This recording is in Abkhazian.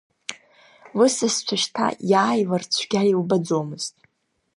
Лысасцәа шьҭа иааилар цәгьа илбаӡомызт.